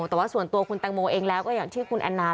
แต่ว่าส่วนตัวคุณแตงโมเองแล้วก็อย่างที่คุณแอนนา